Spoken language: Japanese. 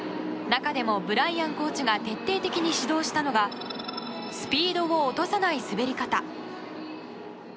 中でもブライアンコーチが徹底的に指導したのがスピードを落とさない滑り方。